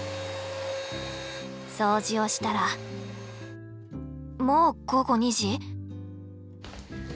掃除をしたらもう午後２時？